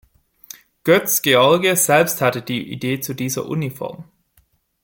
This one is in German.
Götz George selbst hatte die Idee zu dieser „Uniform“.